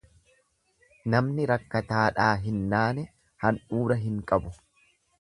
Namni rakkataadhaa hin naane handhuura hin qabu.